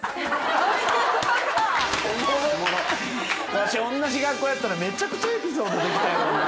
わしおんなじ学校やったらめちゃくちゃエピソードできたんやろな。